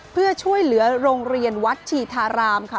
เพื่อช่วยเหลือโรงเรียนวัดชีธารามค่ะ